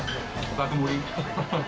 爆盛り？